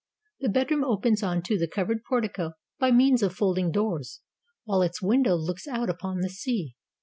The bedroom opens on to the covered portico by means of folding doors, while its window looks out upon the sea.